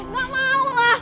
gak mau lah